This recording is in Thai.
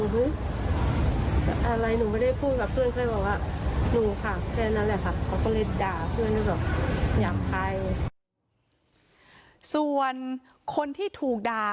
พนักงานในร้าน